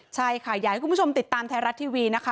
ใช่ค่ะอยากให้คุณผู้ชมติดตามไทยรัฐทีวีนะคะ